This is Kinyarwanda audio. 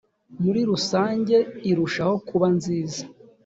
muri rusange irushaho kuba nziza